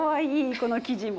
この生地も。